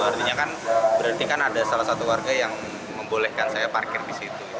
artinya kan berarti kan ada salah satu warga yang membolehkan saya parkir di situ